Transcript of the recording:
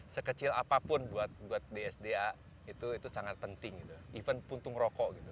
sekecil apapun buat dsda itu sangat penting even puntung rokok gitu